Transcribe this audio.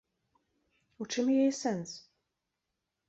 У чым яе сэнс?